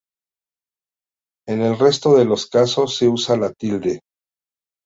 En el resto de los casos se usa la tilde.